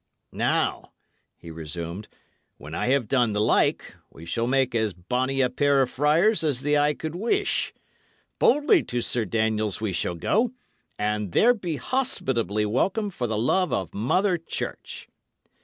"Now," he resumed, "when I have done the like, we shall make as bonny a pair of friars as the eye could wish. Boldly to Sir Daniel's we shall go, and there be hospitably welcome for the love of Mother Church."